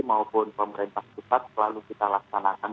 maupun pemerintah pusat selalu kita laksanakan